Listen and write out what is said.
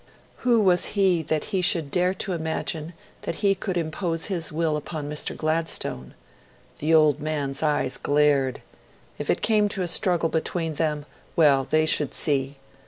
Who was he that he should dare to imagine that he could impose his will upon Mr. Gladstone? The old man's eyes glared. If it came to a struggle between them well, they should see!